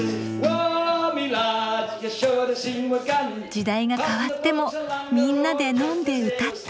時代が変わってもみんなで飲んで歌って。